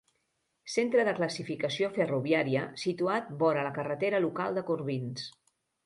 Centre de classificació ferroviària situat vora la carretera local de Corbins.